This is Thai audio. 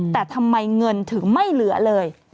แต่ทำไมเงินถึงไม่เหลือเลย